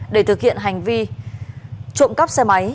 để thực hiện hành vi trộm cắp xe máy